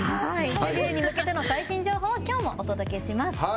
デビューに向けての最新情報を今日もお届けします。